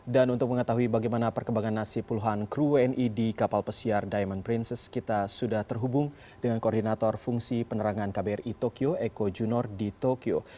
dan untuk mengetahui bagaimana perkembangan nasib puluhan kru wni di kapal pesiar diamond princess kita sudah terhubung dengan koordinator fungsi penerangan kbri tokyo eko junor di tokyo